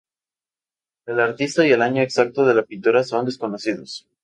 El artista y el año exacto de la pintura son desconocidos.